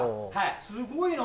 すごいな。